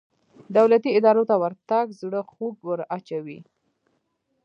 دولتي ادارو ته ورتګ زړه خوږ وراچوي.